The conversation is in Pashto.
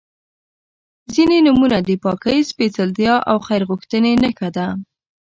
• ځینې نومونه د پاکۍ، سپېڅلتیا او خیر غوښتنې نښه ده.